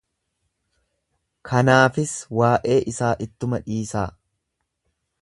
Kanaafis waa'ee isaa ittuma dhiisaa!